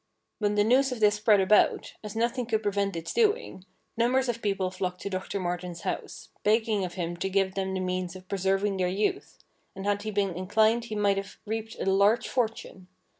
When the news of this spread about, as nothing could prevent its doing, numbers of people flocked to Doctor Martin's house, begging of him to give them the means of preserving their youth, and had he been inclined he might have reaped a large fortune.